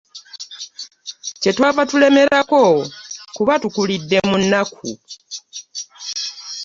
Kye twava tulemerako kuba tukulidde mu nnaku.